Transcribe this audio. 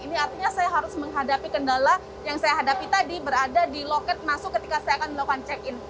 ini artinya saya harus menghadapi kendala yang saya hadapi tadi berada di loket masuk ketika saya akan melakukan check in